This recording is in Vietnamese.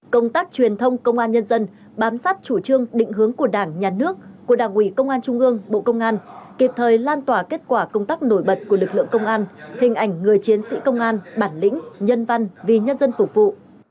công tác truyền thông công an nhân dân bám sát chủ trương định hướng của đảng nhà nước của đảng ủy công an trung ương bộ công an kịp thời lan tỏa kết quả công tác nổi bật của lực lượng công an hình ảnh người chiến sĩ công an bản lĩnh nhân văn vì nhân dân phục vụ